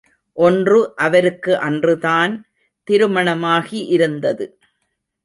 ஒன்று அவருக்கு அன்றுதான் திருமணமாகி இருந்தது.